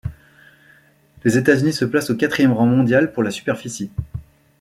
Les États-Unis se placent au quatrième rang mondial pour la superficie.